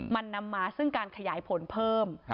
มันนำมาซึ่งการขยายผลเพิ่ม